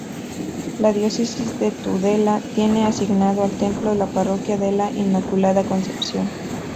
La Diócesis de Tudela tiene asignado al templo la Parroquia de la Inmaculada Concepción.